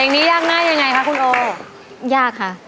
นั่งน้ำมันรัก๕๐๐๐บาท